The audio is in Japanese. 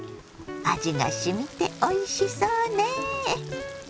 味がしみておいしそうね。